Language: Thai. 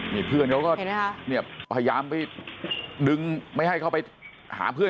นี่เพื่อนเขาก็เห็นไหมฮะเนี่ยพยายามไปดึงไม่ให้เขาไปหาเพื่อน